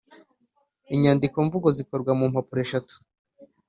Inyandikomvugo zikorwa mu mpapuro eshatu